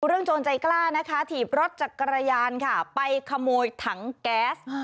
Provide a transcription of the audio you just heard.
โจรใจกล้านะคะถีบรถจักรยานค่ะไปขโมยถังแก๊ส